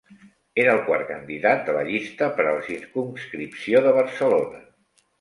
Era el quart candidat de la llista per a la circumscripció de Barcelona.